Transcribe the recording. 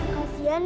kasian ya karangga